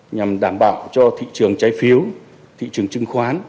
nhằm đảm bảo cho thị trường trái phiếu thị trường chứng khoán